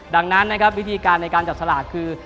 ดังนั้นนะครับวิธีการในการจับสลากคือ